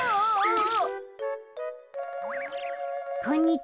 こんにちは。